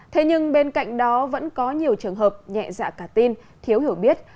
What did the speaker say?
thế nhưng bên cạnh đó vẫn có nhiều trường hợp nhẹ dạ cả tin thiếu hiểu biết